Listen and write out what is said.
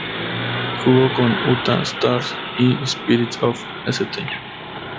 Jugó con Utah Stars y Spirits of St.